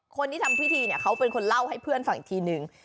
คนที่ทำพิธีเนี่ยเขาเป็นคนเล่าให้เพื่อนฟังอีกทีนึง